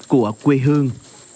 của quê hương